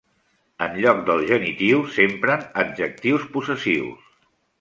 En lloc del genitiu, s’empren adjectius possessius.